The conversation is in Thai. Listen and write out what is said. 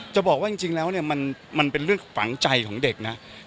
จะบอกว่าจริงแล้วเนี่ยมันเป็นเรื่องฝังใจของเด็กนะ